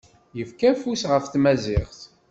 Yefka afus ɣef tmaziɣt.